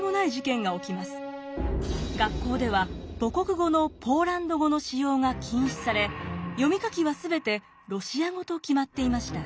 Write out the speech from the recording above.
学校では母国語のポーランド語の使用が禁止され読み書きは全てロシア語と決まっていました。